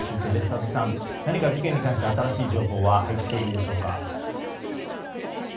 佐々木さん、何か事件に関して新しい情報は入っているでしょうか。